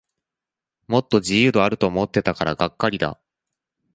もっと自由度あると思ってたからがっかりだ